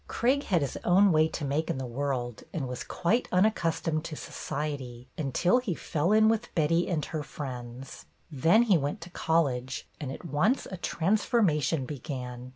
Craig had his own way to make in the world and was quite unaccustomed to society until he fell in with Betty and her friends. Then he went to college, and at once a transforma tion began.